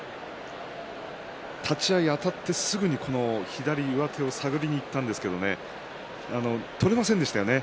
立ち合いあたってすぐ左の上手を探りにいったんですが取れませんでしたね。